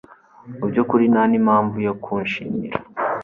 Mu byukuri ntanimpamvu yo kunshimira